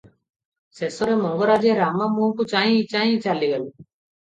ଶେଷରେ ମଙ୍ଗରାଜେ ରାମା ମୁହକୁ ଚାହିଁ ଚାହିଁ ଚାଲିଗଲେ ।